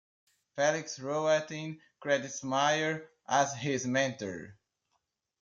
Felix Rohatyn credits Meyer as his mentor.